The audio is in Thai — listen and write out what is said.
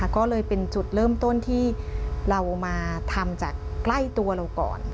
ก็เลยเป็นจุดเริ่มต้นที่เรามาทำจากใกล้ตัวเราก่อน